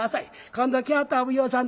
「今度来よったお奉行さん